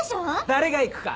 誰が行くか。